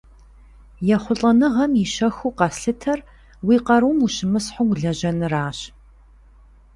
ЕхъулӀэныгъэм и щэхуу къэслъытэр уи къарум ущымысхьу улэжьэныращ.